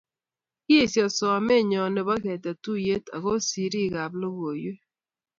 Kiesyo someenyo nebo ketet tuiyet ako siriikab logoiyweek.